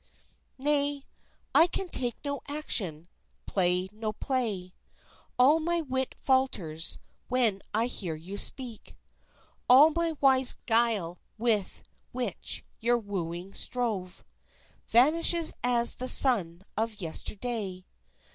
Nay, I can take no action, play no play; All my wit falters when I hear you speak, All my wise guile with which your wooing strove Vanishes as the sun of yesterday.